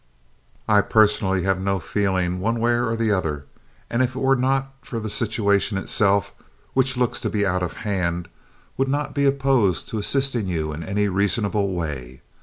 I personally have no feeling one way or the other, and if it were not for the situation itself, which looks to be out of hand, would not be opposed to assisting you in any reasonable way.